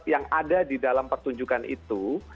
yang ada di dalam pertunjukan itu